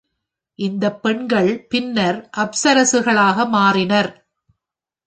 இந்த பெண்கள் பின்னர் அப்சரசுகளாக மாறினர்.